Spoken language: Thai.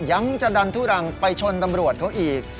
ยังจะดันทุรังไปชนตำรวจเขาอีก